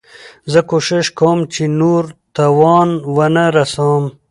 زه کوشش کوم، چي نورو ته تاوان و نه رسوم.